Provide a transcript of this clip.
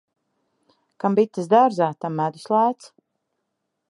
Kam bites dārzā, tam medus lēts.